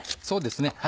そうですね